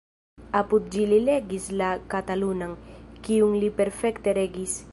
Apud ĝi li legis la katalunan, kiun li perfekte regis.